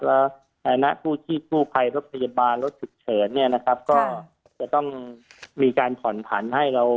แล้วฐานะผู้ที่กู้ภัยรถพยาบาลรถฉุกเฉินเนี่ยนะครับก็จะต้องมีการผ่อนผันให้เรา